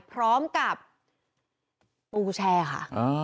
พร้อมกับปูแช่ค่ะ